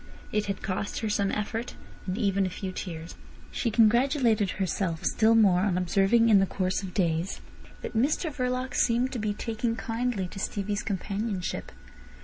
It had cost her some effort, and even a few tears. She congratulated herself still more on observing in the course of days that Mr Verloc seemed to be taking kindly to Stevie's companionship.